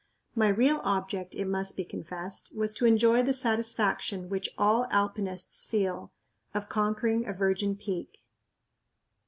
My real object, it must be confessed, was to enjoy the satisfaction, which all Alpinists feel, of conquering a "virgin peak."